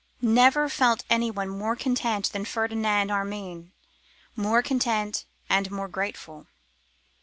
Never felt anyone more content than Ferdinand Armine, more content and more grateful.